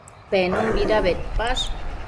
Penunbida bedpash?